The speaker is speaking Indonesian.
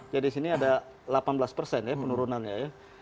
jadi disini ada delapan belas persen ya penurunannya ya